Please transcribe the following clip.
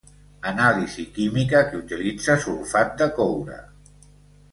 Anàlisi química que utilitza sulfat de coure.